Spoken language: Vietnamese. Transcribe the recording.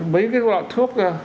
mấy cái loại thuốc